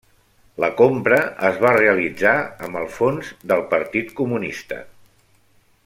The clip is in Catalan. La compra es va realitzar amb els fons del Partit Comunista.